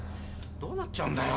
どうなっちゃうんだよ。